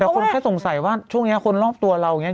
แต่คนแค่สงสัยว่าช่วงนี้คนรอบตัวเราอย่างนี้